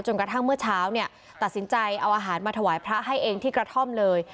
กระทั่งเมื่อเช้าเนี่ยตัดสินใจเอาอาหารมาถวายพระให้เองที่กระท่อมเลย